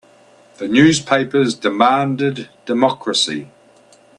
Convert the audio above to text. The newspapers demanded democracy.